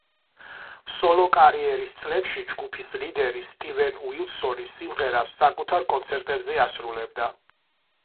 სოლო კარიერის წლებში ჯგუფის ლიდერი სტივენ უილსონი სიმღერას საკუთარ კონცერტებზე ასრულებდა.